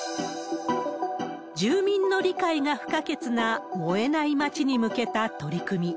住民の理解が不可欠な燃えない街に向けた取り組み。